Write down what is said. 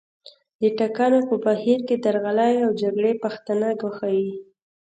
د ټاکنو په بهیر کې درغلۍ او جګړې پښتانه ګواښي